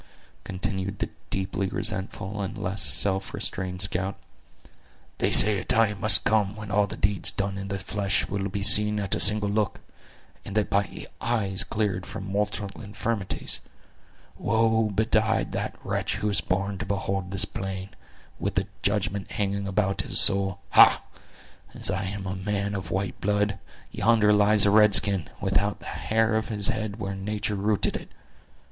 continued the deeply resentful and less self restrained scout; "they say a time must come when all the deeds done in the flesh will be seen at a single look; and that by eyes cleared from mortal infirmities. Woe betide the wretch who is born to behold this plain, with the judgment hanging about his soul! Ha—as I am a man of white blood, yonder lies a red skin, without the hair of his head where nature rooted it!